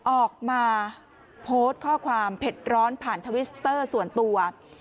ออกมาโพสต์ข้อความเผ็ดร้อนผ่านทวิสเตอร์ส่วนตัว